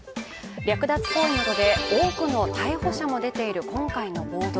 略奪行為などで多くの逮捕者も出ている今回の暴動。